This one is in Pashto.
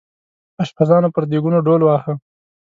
اشپزانو پر دیګونو ډول واهه.